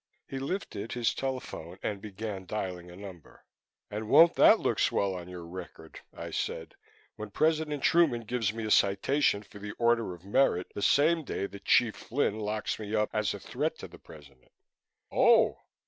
He lifted his telephone and began dialing a number. "And won't that look swell on your record," I said, "when President Truman gives me a citation for the Order of Merit the same day that Chief Flynn locks me up as a threat to the President." "Oh!"